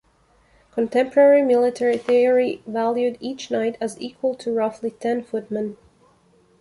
Contemporary military theory valued each knight as equal to roughly ten footmen.